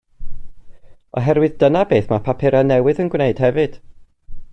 Oherwydd dyna beth mae papurau newydd yn gwneud hefyd